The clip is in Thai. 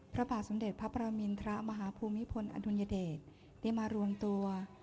พระบาทสมเด็จพระประมินทรมาฮภูมิพลอดุลยเดชได้มารวมตัว